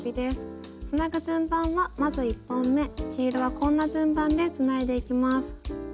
つなぐ順番はまず１本め黄色はこんな順番でつないでいきます。